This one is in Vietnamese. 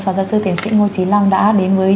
phó giáo sư tiến sĩ ngô trí lăng đã đến với